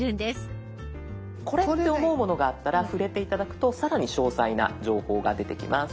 これって思うものがあったら触れて頂くと更に詳細な情報が出てきます。